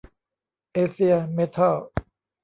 เอเซีย เมทัล